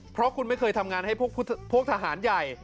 เพราะคุณไม่เคยทำงานให้พวกทหารใหญ่